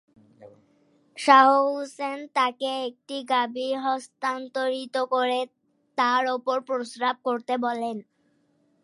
শাহ হুসেন তাকে একটি গাভী হস্তান্তরিত করে তার উপর প্রস্রাব করতে বলেন।